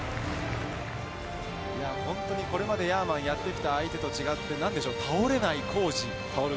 本当にこれまでＹＡ‐ＭＡＮがやってきた相手と違って倒れない皇治。